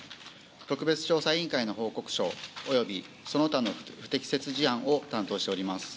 特別調査委員会の報告書及びその他の不適切事案を担当しております。